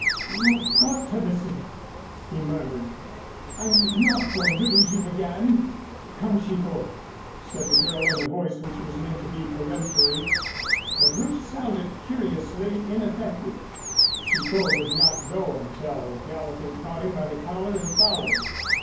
"You've got to listen," he murmured. "I'm not going to lose you again " "Come, Chicot," said the girl in a voice which was meant to be peremptory, but which sounded curiously ineffective. Chicot would not go until Gallatin caught him by the collar and followed.